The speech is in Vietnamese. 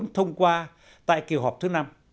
thông qua tại kiều họp thứ năm